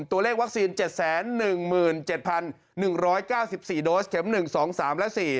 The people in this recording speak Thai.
ตัวเลขวัคซีน๗๑๗๑๙๔โดสเข็ม๑๒๓และ๔